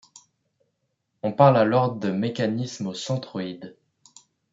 On parle alors de mécanisme au centroïde.